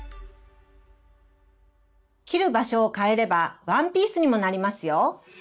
切る場所を変えればワンピースにもなりますよ。